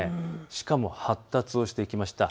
しかも発達をしてきました。